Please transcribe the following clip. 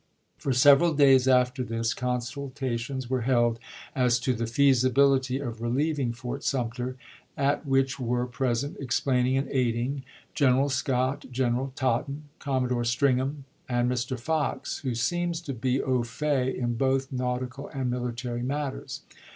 For several days after this, consultations were held as to the feasibility of relieving Fort Sumter, at which were present, explaining and aiding, General Scott, General Totten, Commodore Stringham, and Mr. Fox, who seems to be au fait in both nautical and military matters.